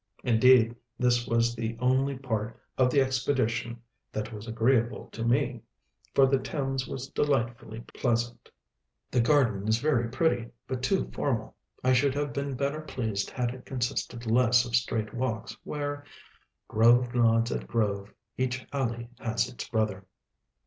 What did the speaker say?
Indeed, this was the only part of the expedition that was agreeable to me; for the Thames was delightfully pleasant. The garden is very pretty, but too formal; I should have been better pleased had it consisted less of straight walks, where "Grove nods at grove, each alley has its brother."